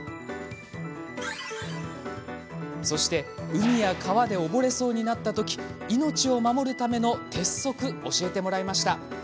そして、海や川で溺れそうになったとき命を守るための鉄則教えてもらいました。